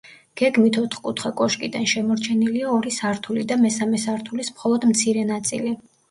გეგმით ოთხკუთხა კოშკიდან შემორჩენილია ორი სართული და მესამე სართულის მხოლოდ მცირე ნაწილი.